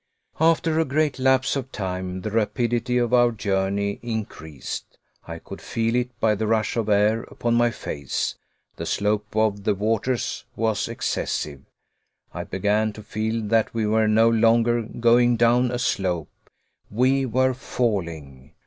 After a great lapse of time, the rapidity of our journey increased. I could feel it by the rush of air upon my face. The slope of the waters was excessive. I began to feel that we were no longer going down a slope; we were falling.